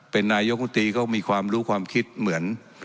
เป็นนายกุตรีก็มีความรู้ความคิดเหมือน